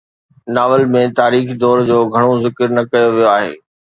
novel ۾ تاريخي دور جو گهڻو ذڪر نه ڪيو ويو آهي